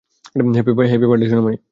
Happy birthday, Sonamoni!